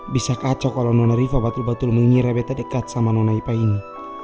bisa kacau kalo nona rifai batul batul mengira beta dekat sama nona ipa ini